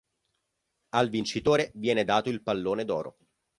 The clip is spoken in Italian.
Al vincitore viene dato il Pallone d'Oro.